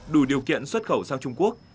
đủ điều kiện xuất khẩu sang trung quốc